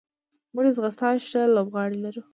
موږ د ځغاستې ښه لوبغاړي لرو.